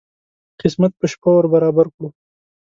قسمت په شپه ور برابر کړو.